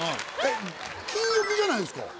禁欲じゃないですか。